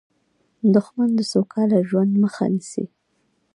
دښمن د سوکاله ژوند مخه نیسي